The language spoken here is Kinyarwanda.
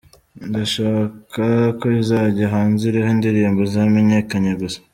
Ndashaka ko izajya hanze iriho indirimbo zamenyekanye gusa”.